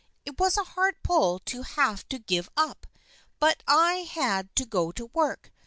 It was a hard pull to have to give up, but I had to go to work.